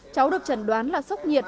cháu được chẩn đoán là sốc nhiệt